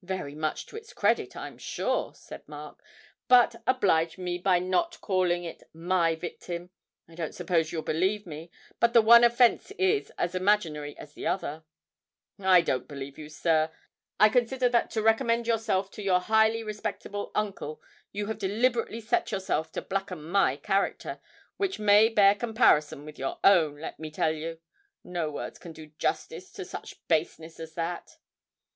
'Very much to its credit, I'm sure,' said Mark. 'But oblige me by not calling it my victim. I don't suppose you'll believe me, but the one offence is as imaginary as the other.' 'I don't believe you, sir. I consider that to recommend yourself to your highly respectable uncle, you have deliberately set yourself to blacken my character, which may bear comparison with your own, let me tell you. No words can do justice to such baseness as that!'